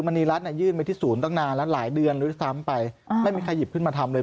ณีรัฐยื่นไปที่ศูนย์ตั้งนานแล้วหลายเดือนด้วยซ้ำไปไม่มีใครหยิบขึ้นมาทำเลย